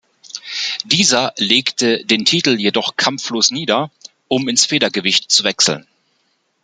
Dieser legte den Titel jedoch kampflos nieder, um ins Federgewicht zu wechseln.